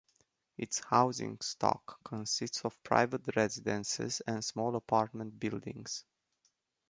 Its housing stock consists of private residences and small apartment buildings.